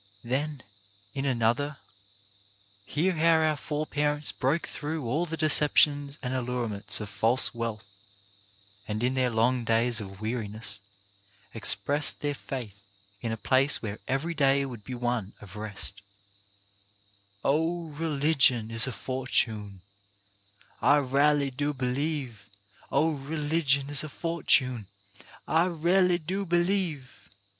Then, in another, hear how our foreparents broke through all the deceptions and allurements of false wealth, and in their long days of weari ness expressed their faith in a place where every day would be one of rest: Oh, religion is a fortune, I r'a'ly do believe. Oh, religion is a fortune, I r'a'ly do believe.